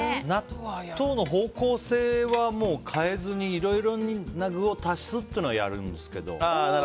納豆の方向性は変えずにいろいろな具を足すというのはやるんですけど。